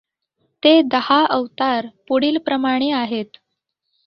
ते दहा अवतार पुढील प्रमाणे आहेत.